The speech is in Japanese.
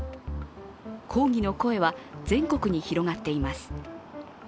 抗議の声は全国に広がっています。